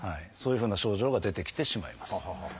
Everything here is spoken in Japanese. そういうふうな症状が出てきてしまいます。